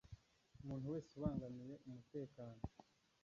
umuntu wese ubangamiye umutekano